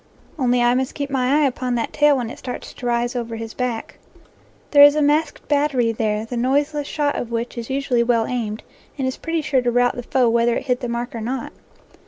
Only I must keep my eye upon that tail when it starts to rise over his back. There is a masked battery there the noiseless shot of which is usually well aimed, and is pretty sure to rout the foe whether it hit the mark or not.